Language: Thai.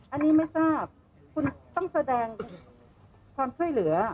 อันนี้ไม่ทราบคุณต้องแสดงความช่วยเหลือ